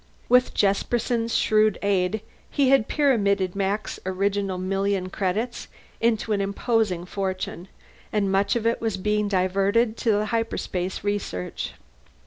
With Jesperson's shrewd aid he had pyramided Max's original million credits into an imposing fortune and much of it was being diverted to hyperspace research.